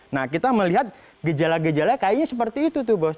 nah kita melihat gejala gejalanya kayaknya seperti itu tuh bos